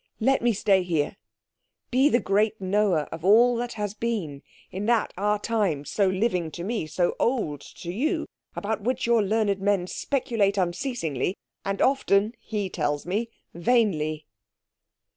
Let me stay here, be the great knower of all that has been, in that our time, so living to me, so old to you, about which your learned men speculate unceasingly, and often, he tells me, vainly."